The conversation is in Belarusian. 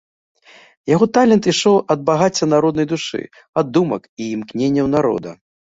Яго талент ішоў ад багацця народнай душы, ад думак і імкненняў народа.